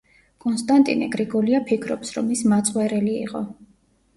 კონსტანტინე გრიგოლია ფიქრობს, რომ ის მაწყვერელი იყო.